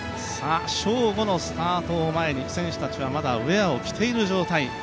正午のスタートを前に選手たちはまだウエアを着ている状態。